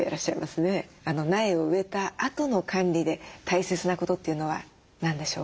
苗を植えたあとの管理で大切なことというのは何でしょうか？